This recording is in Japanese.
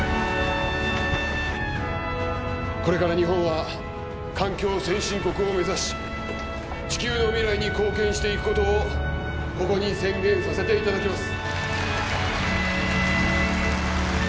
これから日本は環境先進国を目指し地球の未来に貢献していくことをここに宣言させていただきます